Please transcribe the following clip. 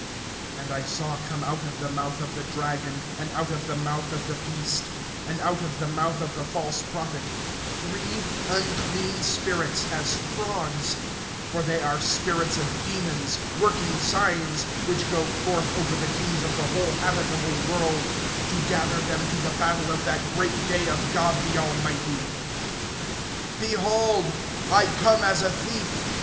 (13)And I saw come out of the mouth of the dragon, and out of the mouth of the beast, and out of the mouth of the false prophet, three unclean spirits as frogs; (14)for they are spirits of demons, working signs, which go forth over the kings of the whole habitable world, to gather them to the battle of that great day of God the Almighty. (15)Behold, I come as a thief.